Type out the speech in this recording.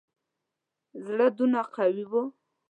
زړه دونه قوي وو.